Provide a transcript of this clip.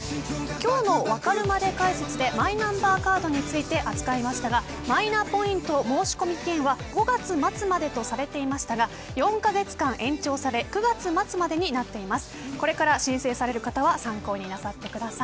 今日のわかるまで解説でマイナンバーカードについて扱いましたがマイナポイント申し込み期限は５月末までとされていましたが４カ月間延長され９月末までになっています。